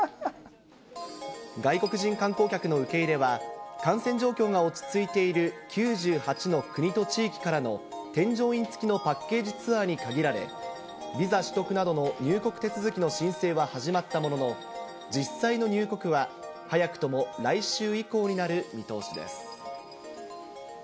外国人観光客の受け入れは感染状況が落ち着いている９８の国と地域からの添乗員付きのパッケージツアーに限られ、ビザ取得などの入国手続きの申請は始まったものの、実際の入国は早くとも来週以降になる見通しです。